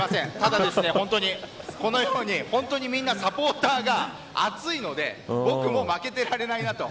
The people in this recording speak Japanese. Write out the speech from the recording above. ただ、このようにみんなサポーターが熱いので僕も負けてられないなと。